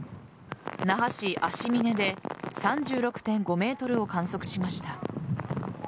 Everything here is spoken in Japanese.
那覇市安次嶺で３６．５メートルを観測しました。